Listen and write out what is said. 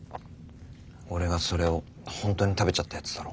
俺がそれを本当に食べちゃったやつだろ。